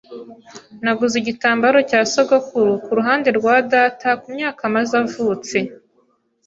Naguze igitambaro cya sogokuru kuruhande rwa data kumyaka amaze avutse.